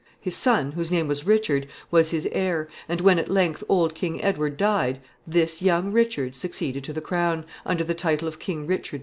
His son, whose name was Richard, was his heir, and when at length old King Edward died, this young Richard succeeded to the crown, under the title of King Richard II.